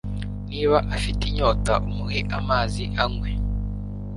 niba afite inyota umuhe amazi anywe